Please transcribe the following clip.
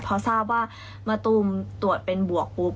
พอทราบว่ามะตูมตรวจเป็นบวกปุ๊บ